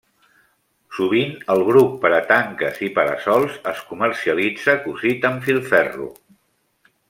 Sovint el bruc per a tanques i para-sols es comercialitza cosit amb filferro.